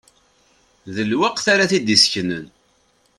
D lweqt ara t-id-iseknen.